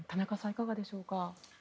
いかがでしょうか？